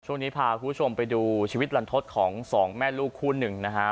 ช่วงนี้พาคุณผู้ชมไปดูชีวิตลันทศของสองแม่ลูกคู่หนึ่งนะฮะ